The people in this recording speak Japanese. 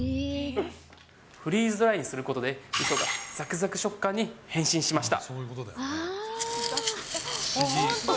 フリーズドライすることで、みそがざくざく食感に変身しました。